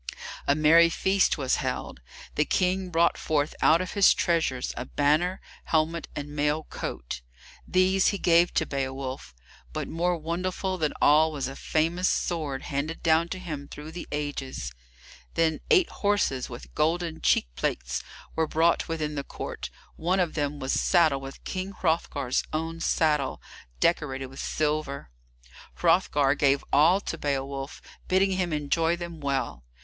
A merry feast was held. The King brought forth out of his treasures a banner, helmet, and mail coat. These he gave to Beowolf; but more wonderful than all was a famous sword handed down to him through the ages. Then eight horses with golden cheekplates were brought within the court; one of them was saddled with King Hrothgar's own saddle, decorated with silver. Hrothgar gave all to Beowulf, bidding him enjoy them well.